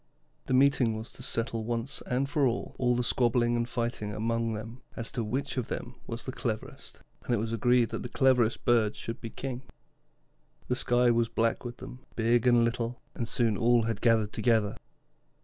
The meeting was to settle once and for all the squabbling and fighting among them as to which of them was the cleverest, and it was agreed that the cleverest bird should be king. The sky was black with them, big and little, and soon all had gathered together.